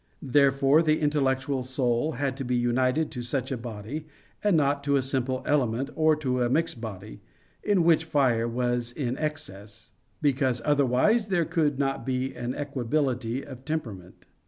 Therefore the intellectual soul had to be united to such a body, and not to a simple element, or to a mixed body, in which fire was in excess; because otherwise there could not be an equability of temperament.